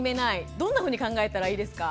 どんなふうに考えたらいいですか？